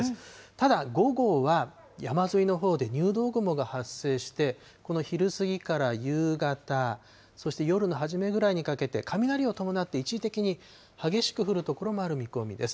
ただ、午後は山沿いのほうで入道雲が発生して、この昼過ぎから夕方、そして夜の初めぐらいにかけて、雷を伴って一時的に激しく降る所もある見込みです。